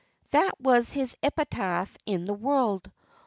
That was his epitaph in the world.